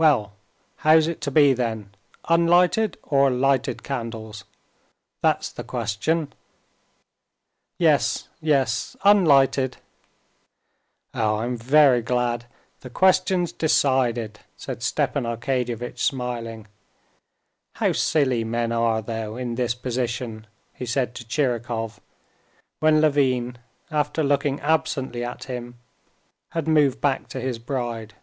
"Well, how's it to be then?—unlighted or lighted candles? that's the question." "Yes, yes, unlighted." "Oh, I'm very glad. The question's decided!" said Stepan Arkadyevitch, smiling. "How silly men are, though, in this position," he said to Tchirikov, when Levin, after looking absently at him, had moved back to his bride.